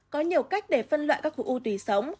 có nhiều cách để phân loại các khu u tùy sống